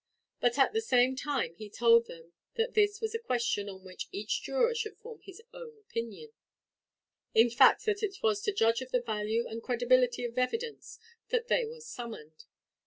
But at the same time he told them that this was a question on which each juror should form his own opinion; in fact that it was to judge of the value and credibility of evidence that they were summoned.